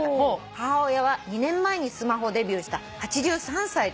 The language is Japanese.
「母親は２年前にスマホデビューした８３歳です」